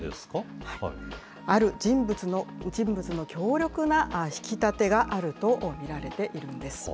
ある人物の強力な引き立てがあると見られているんです。